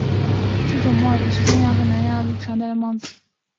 这种帽也是中亚和南亚穆斯林男子常佩戴的帽子。